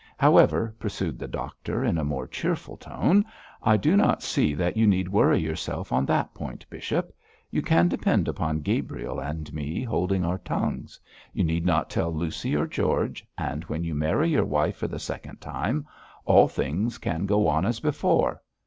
However,' pursued the doctor, in a more cheerful tone, 'I do not see that you need worry yourself on that point, bishop. You can depend upon Gabriel and me holding our tongues; you need not tell Lucy or George, and when you marry your wife for the second time, all things can go on as before.